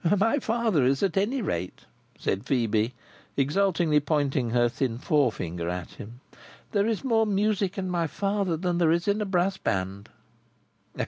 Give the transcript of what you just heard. "My father is, at any rate," said Phœbe, exultingly pointing her thin forefinger at him. "There is more music in my father than there is in a brass band."